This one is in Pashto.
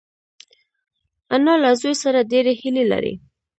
انا له زوی سره ډېرې هیلې لري